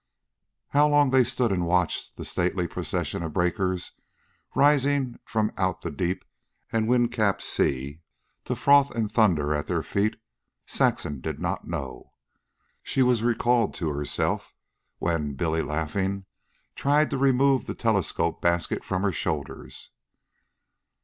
How long they stood and watched the stately procession of breakers, rising from out the deep and wind capped sea to froth and thunder at their feet, Saxon did not know. She was recalled to herself when Billy, laughing, tried to remove the telescope basket from her shoulders.